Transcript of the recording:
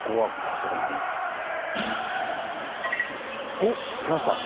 おっ来ました。